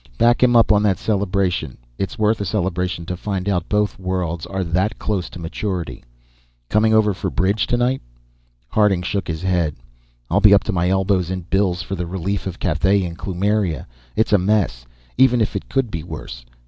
"Back him up on that celebration. It's worth a celebration to find out both worlds are that close to maturity. Coming over for bridge tonight?" Harding shook his head. "I'll be up to my elbows in bills for the relief of Cathay and Kloomiria. It's a mess, even if it could be worse.